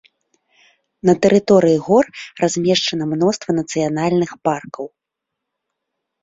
На тэрыторыі гор размешчана мноства нацыянальных паркаў.